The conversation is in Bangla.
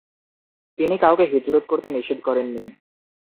তিনি কাউকে হিজরত করতে নিষেধ করেন নি।